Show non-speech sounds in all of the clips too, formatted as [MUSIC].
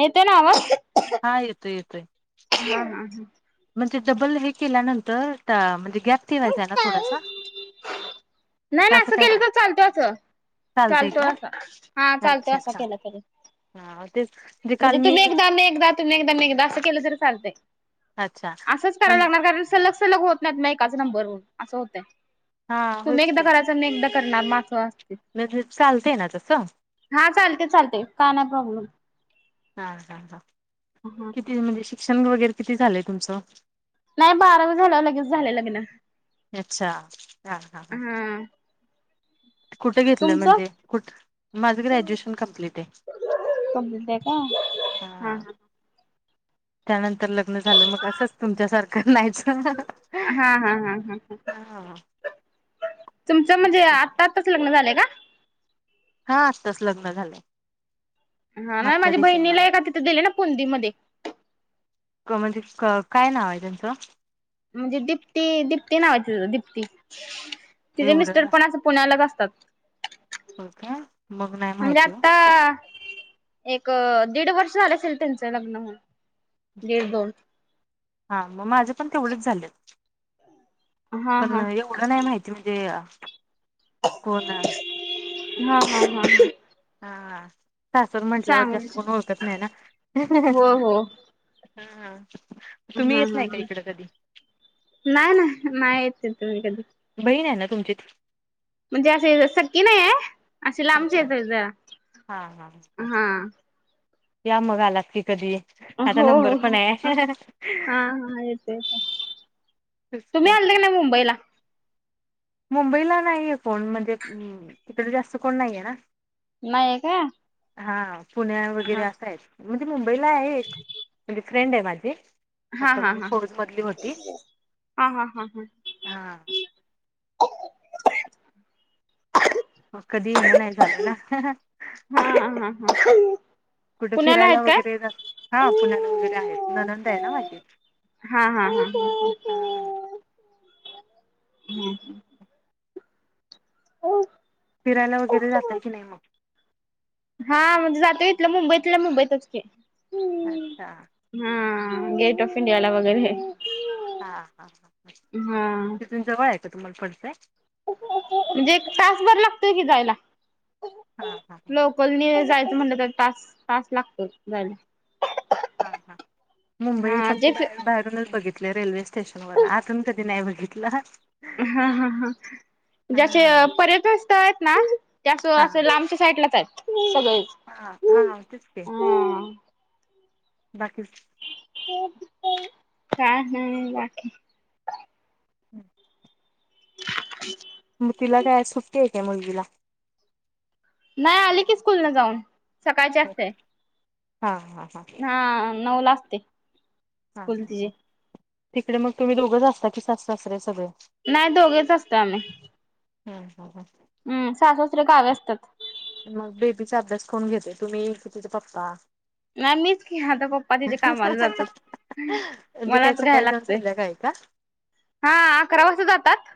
येतोय ना आवाज हा येतोय येतोय हा. हा. म्हणजे डबल हे केल्यानंतर म्हणजे गॅप ठेवायचा आहे ना थोडासा. नाही नाही असं केलं तर चालतोय असं चालतंय चालतो काय अस हा चालतोय असं केलं तरी. हां तेच म्हणजे तुम्ही एकदा मी एकदा तुम्ही एकदा मी एकदा असं केलं तरी चालतय. अच्छा असंच करावला म्हण लागणार कारण सलग सलग होत नाहीत मग एकाचा नंबरवर असं होतय. हा तुम्ही होच एकदा करायचं मी एकदा करणार [UNINTELLIGIBLE] मॅम चालते ना तसं. हा चालतय चालतय, काय नाही प्रॉब्लेम. हा हा ह, हा. किती म्हणजे शिक्षण वगैरे किती झालंय तुमचं? नाही बारावी झाल्यावर लगेच झालंय लग्न अच्छा हा हा हम. कुठं घेतलं म्हणजे कुठ? माझ ग्रॅज्युएशन कम्प्लीट आहे. कम्प्लीट आहे का? हा ह त्यानंतर लग्न झाल, मग असंच तुमच्यासारखं न्यायचं. हा हा हा ह, तुमचं तेच म्हणजे की आता आताच लग्न झालंय का? हा आत्ताच लग्न झालंय. हा नाही मागच्या माझ्या डिसेंबरला बहिणीला एका तिथं दिले ना पुंदी मध्ये. क म्हणजे क काय नाव आहे त्यांचं? म्हणजे दीप्ती दीप्ती नाव हाय तिचं दीप्ती, तिजे एवढं मिस्टर पण असं पुण्यालाच असतात. हो का? मग नाही म्हणजे माहिती हो. आता एक दीड वर्ष झालं असेल त्यांचं लग्न होऊन, दीड दोन. हा मग माझं पण तेवढच झालं, हा पण हा नाही येऊ पुढं नाही माहिती म्हणजे कोण? हा हा हा. हा सासर म्हटल्यावर चांगल जास्त कोण ओळखत नाही ना. हो हो हा हा. तुम्ही हा येत हा, नाही का इकडं कधी नाही ना नाही येत तुम्ही कधी. बहीण आहे ना तुमचीत? म्हणजे असे सकी नाही आहे, असशी लांबचे अच्छा येत हा हा ह हा. या मग आलात की कधी. हो आता नंबर हो पण हो, ह, आहे हा हा ये‌ येतो येतो, तुम्ही आला की नाही मुंबईला? मुंबईला नाही येत कोण, म्हणजे तिकडे जास्त कोण नाहीयेना. नाहीय काय? हा पुण्या वगैरे असं आहे, म्हणजे मुंबईला आहे एक म्हणजे फ्रेंड आहे माझे. हा आता हा म्हणजे हा फोजमधली होती हा हा हा हा हा. मग कधी येणं नाही झालं ना. हा हा हा हा. कुठे पुण्याला आहेत फिरायला काय? वगैरे हा पुण्याला वगैरे आहेत न नंद आहे ना मागे. हा हा हा, हा हा. नाही. हो. फिरायला वगैरे जातय की नाही मग? हा जातोय इथलं, मुंबईतल्या मुंबईतच की. अच्छा. हा गेट ऑफ इंडियाला वगैरे आहे. हा हा, ह ह तिथून जवळ आहे का तुम्हाला पडते? म्हणजे एक तासभर लागतोय कि जायला. हा हा हा. पलनी जायचं म्हणलं तर तास तास लागतोय, जायला. हा हा मुंबई हा जे फक्त बा बाहेरूनच बघितलं रेल्वेस स्टेशन वरनं अजून कधी नाही बघितलं. हां हां हां जसे हा पर्यटन स्थळ आहेत ना ते असं असं लांबच्या साईडलाच आहे सगळेच. हां हां हांव तेच ते, हा. बाकी काय नाय बाकी. [INAUDIBLE] [INAUDIBLE] म तिला काय आज सुट्टी आहे काय मुलगीला? नाही आली की स्कूलनं जाऊन, सकाळची असते. हां हा हा. हां नऊला असते. हा स्कूल हा हा, तिची तिकडे मग तुम्ही दोघंच असता की, सासु सासरे सगळे? नाही दोघेच असतोय आम्ही. हं हं हं. अं सासू सासरे गावी असत्यात. मग बेबीचा अभ्यास कोण घेते, तुम्ही की तिचे पप्पा? नाही मीच की आता पप्पा तिचे कामाला जातात. म्हणजे काय मलाच घ्याय सकाळी जाऊन लागतंय. संध्याकाळी का? हां अकरा वाजता जातात.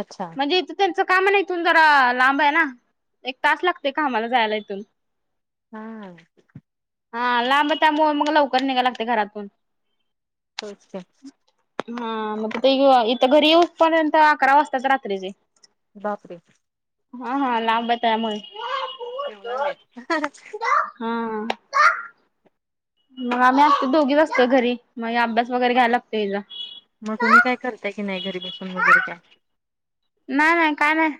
अच्छा. जे इथं त्यांचं काम ईथून जरा लांब आहे ना. एक तास लागतंय कामाला जायला इथून. हां हां. हा लांब त्यामुळे मग लवकर निघाय लागतंय घरातून. पोहोचत्यात. हां मग ते इथं घरी येऊसपर्यंत अकरा वाजतात रात्रीचे. बापरे. हा हा लांब हाय त्यामुळे. एवढा वेळ हां हां. मग आम्ही असतोय दोघीच असतोय घरी. मग हे अभ्यास वगैरे घ्याय लागतोय हीचा. मग तुम्ही काय करताय की नाही घरी बसून वगैरे काय? नाही नाही काय नाही.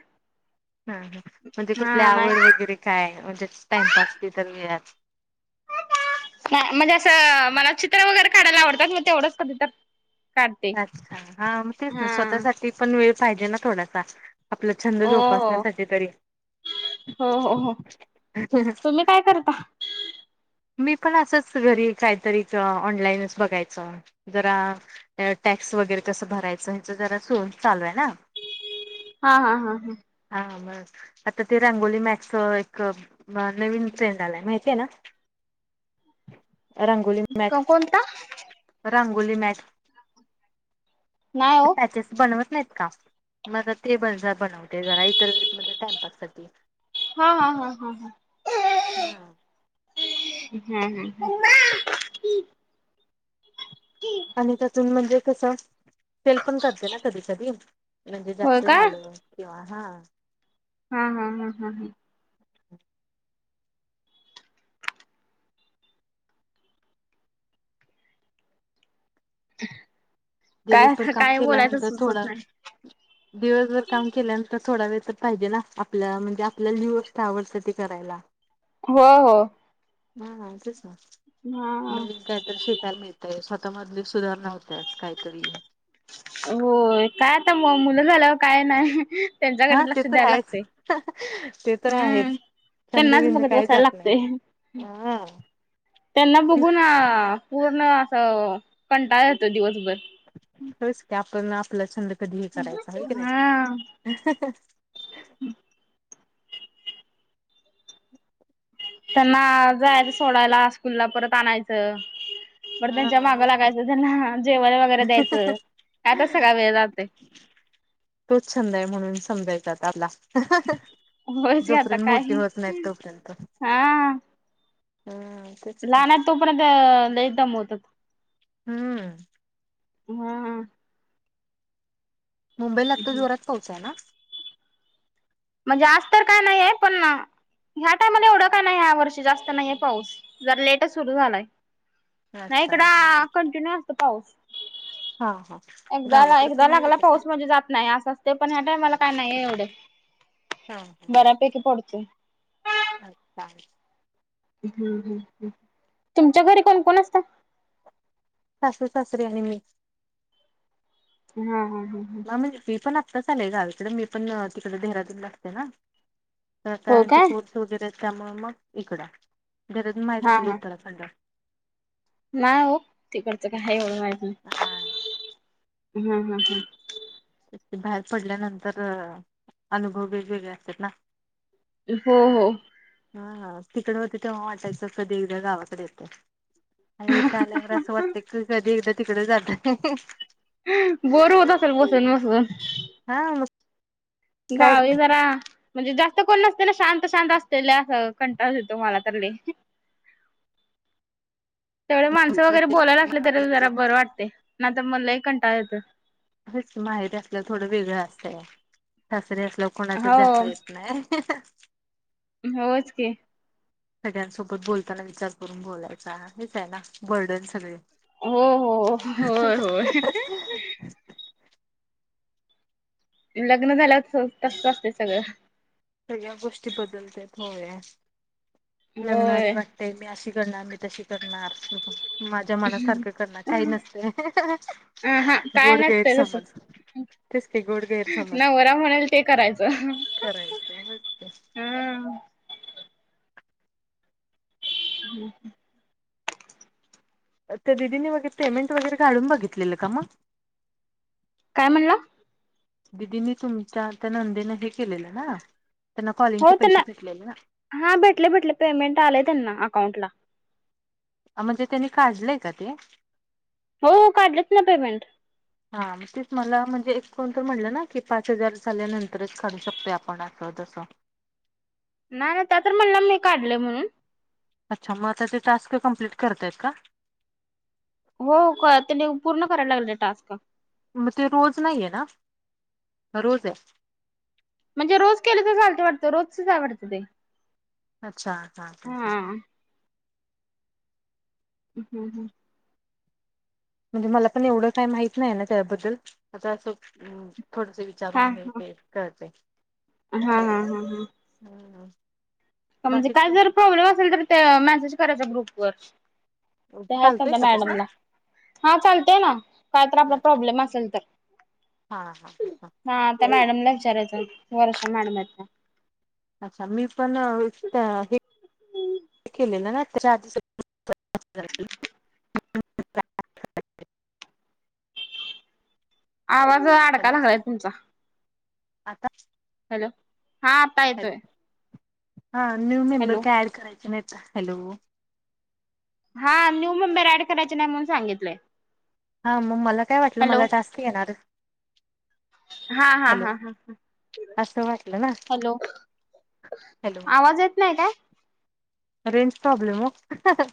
हां हां म्हणजे कुठली हा नाही आवड वगैरे काय, म्हणजे टाइमपास ते तर [UNINTELLIGIBLE] नाही म्हणजे असं मला चित्र वगैरे काढायला आवडतात, मग तेवढंच कधी तर. काढते. अच्छा हा म तेच ना, हा. स्वतःसाठी पण वेळ पाहिजे ना थोडासा. आपला छंद ओ जोपासण्यासाठी तरी. हो हो हो, तुम्ही काय करता? मी पण असंच घरी काहीतरीच ऑनलाईनच बघायचं. जरा टॅक्स वगैरे कसं भरायचं, हेचं जरा सुन चालू आहे ना. हा हा हा हा. हा मग. आता ते रांगोली मॅटचं एक नवीन ट्रेंड आलाय माहितीय ना? रांगोली मॅट, हा. कोणता? रांगोली मॅट. नाही हो पॅचेस बनवत नाहीत का? मला टेबल जा बनव. ते झाला इथच पण लय टाईमपास करते. हा, हा, हा, हा, हा. [UNINTELLIGIBLE] हा, हा. आणि त्यातून म्हणजे कसं सेल पण करते ना कधी कधी, म्हणजे होय जास्त का झालं किंवा हा. हा, हा, हा, हा, हा. काय दिवसभर आता, काम काय बोलायच केल्यानंतर थोडा सुचत नाही. दिवसभर काम केल्यानंतर थोडा वेळ तर पाहिजे ना, आपल्या, म्हणजे आपल्याला जी गोष्ट आवडते ते करायला. हो, हो. हा ना तेच ना. हा नवीन काहीतरी शिक [INAUDIBLE] मिळतंय, स्वतः मधली सुधारणा होतात काहीतरी. होय, काय आता मुलं झाल्यावर काय नाही. हा त्यांच्याकडेच ते लक्ष तर द्यायला आहेच लागतंय, ते तर हम्म. आहेच छंद त्यांनाच बिंद बघत काही बसायला जात नाही. लागतय. हा त्यांना बघून, पूर्ण असं कंटाळा येतो दिवसभर. होय की, आपण आपला छंद कधी हे करायचा आहे की नाही. हा त्यांना जायचं सोडायला स्कूलला, परत आणायचं. परत त्यांच्या हा मागं होच की. लागायचं, त्यांना जेवायला वगैरे द्यायचं. यातच सगळा वेळ जातोय. तोच छंद आहे म्हणून समजायचा आता आपला. होयच की आता जोपर्यंत काय मोठीे होत नाहीत, तोपर्यंत, हम्म. तेच की. लहना आहेत तोपर्यंत लय दमवतात. हम्म. [UNINTELLIGIBLE] मुंबईला आता जोरात पाऊस आहेना. म्हणजे आज तर काय नाही आहे पण ह्या टायमाला एवढं काय नाही, ह्या वर्षी जास्त नाहीये पाऊस, जरा लेटच सुरू झालाय. नाही अच्छा हा. इकडं कंटिन्यू असतो पाऊस. हा हा एकदा, गावाकडे पण एकदा नाही लागला येत का पाऊस म्हणजे जात नाही. असं अस ते पण, ह्या टायमाला काय नाही एवढं. हां हां बऱ्यापैकी पडतोय. हां [UNINTELLIGIBLE] हम हम हम. तुमच्या घरी कोण कोण असतं. सासू, सासरे आणि मी. हा. हा. हा.. म म्हणजे मी पण आत्ताच आले गावीकडे, मी पण तिकडे देहरादून ला असते ना. हो सासर्‍यांचा काय पोट सुजलाय त्यामुळं मग इकडाय, देहरादून माहित हा असेल हा. उत्तराखंड. नाही तिकडचं काय एवढं माहित नाही. हा हा‌. हा. एकटी बाहेर पडल्यानंतर, अनुभव वेगवेगळे असत्यात ना. हो हो. हा हा, तिकडे होते तेव्हा वाटायचं, कधी एकदा गावाकडे येते. अरे इथं आल्यावर असं वाटतं की, कधी एकदा तिकडं जाते. बोर होतं असेल बसून बसून. हा. काय गावी झालं जरा. म्हणजे जास्त कोण नसते ना, शांत शांत असते लय, कंटाळाच येतो मला तर लय. [INAUDIBLE] तेवढे माणसं वगैरे म्हणजे बोलायला असले तरी, जरा बरं वाटतंय, नाहीतर मग लय कंटाळा येतोय. हेच माहेर असल्यावर थोडं वेगळं असतंय. सासरी असल्यावर कोणाच्यात जाता हो येत नाही. [UNINTELLIGIBLE] होच की. सगळ्यांसोबत बोलताना विचार करून बोलायचा हेच आहे ना बर्डन सगळे. हो हो होय होय [UNINTELLIGIBLE] लग्न झालं तस असते सगळं. सगळ्या गोष्टी बदलत हो्या होय लग्नाआधी वाट ते मी अशी करणार मी तशी करणार. माझ्या मनासारखं करणार काही अ नसते हा काय गोड गैर नसतंय तसं समज. तेच की गोड गैर समज नवरा म्हणेल ते करायचं करायचंट. हम्. हो [INAUDIBLE] तर दिदीनी बघित पेमेंट वगैरे काढून बघितलेलं का मग? काय म्हणला? दिदीनी तुमच्या त्या नंदेनें हे केलेलं ना त्यांना कॉलिंगचे हो त्याला पैसे भेटलेले ना. हा भेटले भेटले पेमेंट आलेय त्यांना अकाउंट ला. म्हणजे त्यांनी काढलंय का ते? हो काढलेत न पेमेंट. हा तेच मला म्हणजे एक कोण तर म्हटलं ना की पाच हजार झाल्यानंतरच काढू शकतोय आपण असं तसं. नाही नाही त्या तर म्हणला मी काढलं म्हणून. अच्छा मग आता ते टास्क कम्प्लीट करतायत का? हो का त्यांनी पूर्ण करायला लागले टास्क. मग ते रोज नाहीय ना रोजय. म्हणजे रोज केलं त चालते वाटतं रोजचच हाय वाटतं ते अच्छा हा हम्म हम्म. म्हणजे मला पण एवढं काही माहित नाही ना त्याबद्दल आता असं थोडस वि चारून घते कळते हम्म हम्म हम्म हम्म. हम् हम म्हणजे काय जर प्रॉब्लेम असेल तर त्या मेसेज करायच्या ग्रुप वर. तेहाईत चालतोय आता का तसं मॅडमला हा चालतेय ना काय तर आपला प्रॉब्लेम असेल तर. हा हा हा हा. हा आता मॅडमला विचारायचं वर्षा मॅडम आहेत त्या. अच्छा मी पण विस्त हे [UNINTELLIGIBLE] आवाज अडका हॅलो लागलाय तुमचा. आता हॅलो हा आता हॅलो. येतोय. हा न्यू मेंबर हॅलो काय ऍड करायचे नाहीचा हॅलो. हा न्यू मुंबर ऍड कराचे नाही मून सांगितलंय. हा मग मला काय वाटलं हॅलो मला टास्क येणार. हा हा हॅलो हा ह असं वाटलं ना हॅलो. हॅलो आवाज येत नाही का? रेंज प्रॉब्लेम हो.